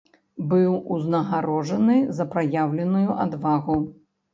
Быў узнагароджаны за праяўленую адвагу.